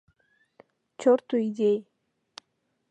Чорту идей!